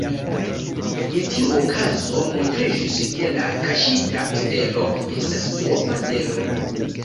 Je tiu okazo, montriĝis, ke la kaŝita stelo estas duopa stelo.